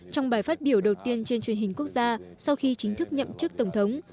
trong bài phát biểu đầu tiên trên truyền hình quốc gia sau khi chính thức nhậm chức tổng thống